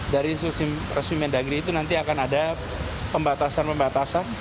dari instruksi resmi mendagri itu nanti akan ada pembatasan pembatasan